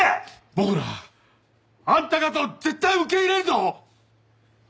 僕らはあんた方を絶対受け入れんぞ！